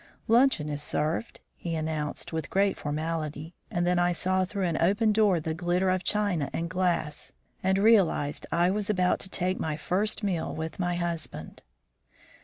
"Luncheon is served," he announced, with great formality; and then I saw through an open door the glitter of china and glass, and realized I was about to take my first meal with my husband.